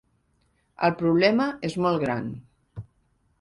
El problema és molt gran.